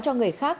cho người khác